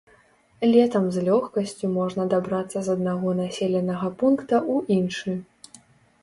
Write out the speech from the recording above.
Летам з лёгкасцю можна дабрацца з аднаго населенага пункта ў іншы.